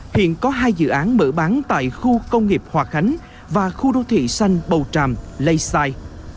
hiện có hai dự án mở bán tại khu công nghiệp hòa khánh và khu đô thị xanh bầu tràm layside